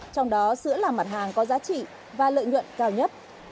trong đó sữa là mặt hàng có giá trị và lợi nhuận cao nhất